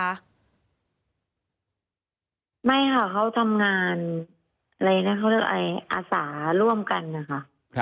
มาอาศาร่วมกันค่ะ